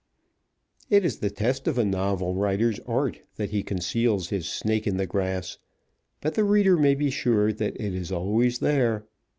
It is the test of a novel writer's art that he conceals his snake in the grass; but the reader may be sure that it is always there.